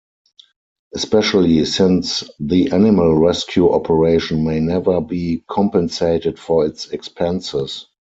Especially since the animal rescue operation may never be compensated for its expenses.